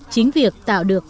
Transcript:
chính việc tạo được